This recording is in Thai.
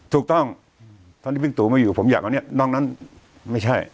ถูกต้องตอนที่บิ๊กตูมาอยู่ผมอยากเอาเนี่ยนอกนั้นไม่ใช่